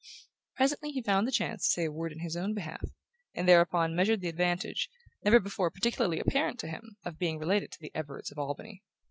Presently he found the chance to say a word in his own behalf; and thereupon measured the advantage, never before particularly apparent to him, of being related to the Everards of Albany.